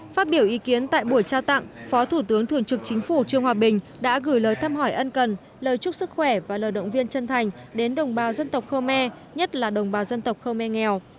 phát biểu ý kiến tại buổi trao tặng phó thủ tướng thường trực chính phủ trương hòa bình đã gửi lời thăm hỏi ân cần lời chúc sức khỏe và lời động viên chân thành đến đồng bào dân tộc khơ me nhất là đồng bào dân tộc khơ me nghèo